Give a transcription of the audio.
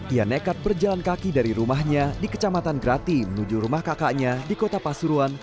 ia nekat berjalan kaki dari rumahnya di kecamatan grati menuju rumah kakaknya di kota pasuruan